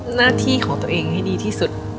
หน้าที่ของตัวเองให้ดีที่สุด